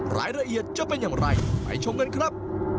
รายละเอียดจะเป็นอย่างไรไปชมกันครับ